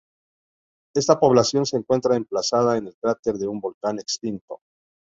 Esta población se encuentra emplazada en el cráter de un volcán extinto.